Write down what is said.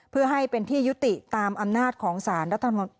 เพื่อให้เป็นที่ยุติตามอำนาจของสารรัฐมนต์